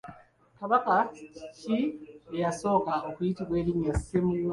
Kabaka ki eyasooka okuyitibwa erinnya Ssemunywa?